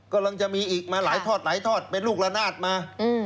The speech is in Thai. กำลังจะมีอีกมาหลายทอดหลายทอดเป็นลูกละนาดมา